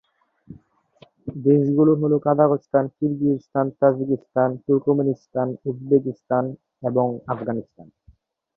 দেশগুলো হলো Kazakhstan, Kyrgyzstan, Tajikistan, Turkmenistan, Uzbekistan এবং আফগানিস্তান।